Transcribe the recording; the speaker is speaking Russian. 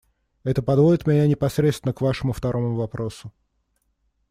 Это подводит меня непосредственно к Вашему второму вопросу.